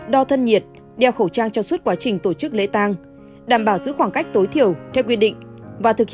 đo thân nhiệt đeo khẩu trang trong suốt quá trình tổ chức lễ tăng đảm bảo giữ khoảng cách tối thiểu theo quy định